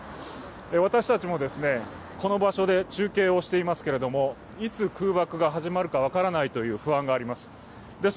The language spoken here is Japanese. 私たちもこの場所で中継をしていますけれども、いつ空爆が始まるか分からないという不安があります。